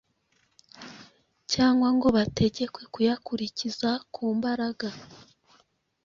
cyangwa ngo bategekwe kuyakurikiza kumbaraga